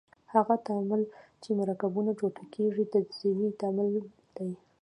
هغه تعامل چې مرکبونه ټوټه کیږي تجزیوي تعامل دی.